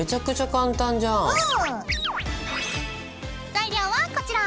材料はこちら。